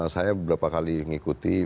saya beberapa kali mengikuti